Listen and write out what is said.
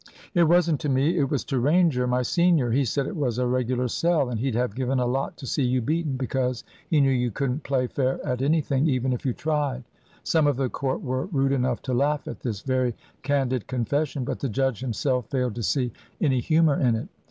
"It wasn't to me, it was to Ranger, my senior. He said it was a regular sell, and he'd have given a lot to see you beaten, because he knew you couldn't play fair at anything, even if you tried." Some of the court were rude enough to laugh at this very candid confession; but the judge himself failed to see any humour in it.